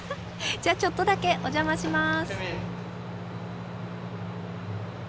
じゃあちょっとだけお邪魔します。